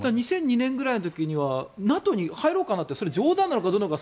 ２００２年くらいの時にはＮＡＴＯに入ろうかなってそれは冗談なのかどうなのか